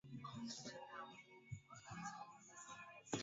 Mombasa ni mji mkuu Kenya